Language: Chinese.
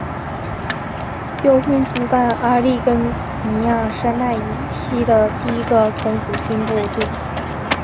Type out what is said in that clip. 教会主办阿利根尼山脉以西的第一个童子军部队。